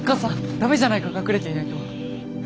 駄目じゃないか隠れていないと。